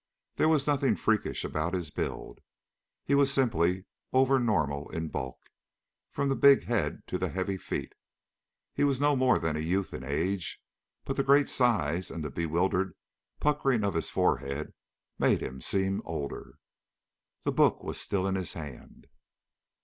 There was nothing freakish about his build. He was simply over normal in bulk, from the big head to the heavy feet. He was no more than a youth in age, but the great size and the bewildered puckering of his forehead made him seem older. The book was still in his hand.